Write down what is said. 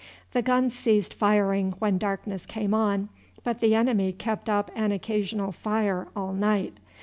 The guns ceased firing when darkness came on, but the enemy kept up an occasional fire all night.